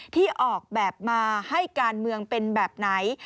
ที่ออกแบบมาให้การเมืองเป็นแบบไหน